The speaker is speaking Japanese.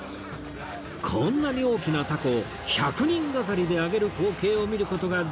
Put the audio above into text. こんなに大きな凧を１００人がかりで揚げる光景を見る事ができます